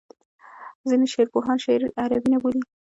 ځینې شعرپوهان شعر عربي نه بولي.